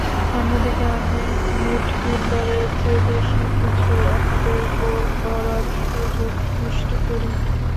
অন্যদিকে আমি মিডফিল্ডারের চেয়ে বেশি কিছু, অন্যদের গোল করার সুযোগ সৃষ্টি করি।